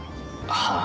はあ。